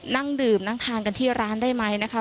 นั่งดื่มนั่งทานกันที่ร้านได้ไหมนะคะ